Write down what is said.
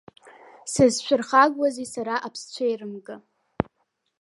Сызшәыргахуазеи, сара аԥсцәеирымга.